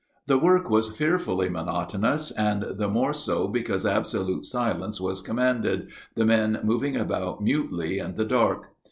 The work was fearfully monotonous, and the more so because absolute silence was commanded, the men moving about mutely in the dark.